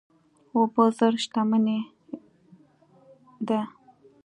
اوبه زر شتمني ده.